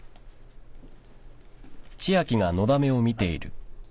あっ。